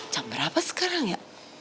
camber apa sekarang ya